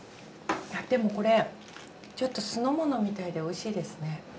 でもこれちょっと酢の物みたいでおいしいですね。